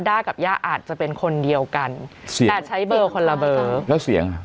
้ากับย่าอาจจะเป็นคนเดียวกันเสียงแต่ใช้เบอร์คนละเบอร์แล้วเสียงอ่ะ